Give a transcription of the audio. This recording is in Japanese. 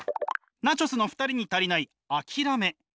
ナチョス。の２人に足りない諦め。